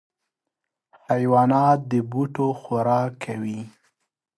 حیوانات د بوټو خوراک کوي.